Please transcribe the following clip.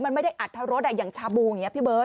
มันไม่ได้อัดทะโรดอะไรอย่างชาบูไงฮะพี่เบิศ